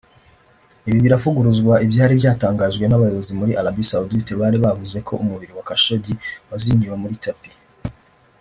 Ibi biravuguruza ibyari byatangajwe n’abayobozi muri Arabie Saoudite bari bavuze ko umubiri wa Khashoggi wazingiwe muri tapis